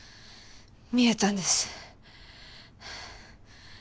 見えたんですハァ